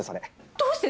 どうして？